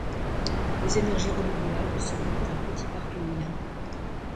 Les énergies renouvelables se limitent à un petit parc éolien.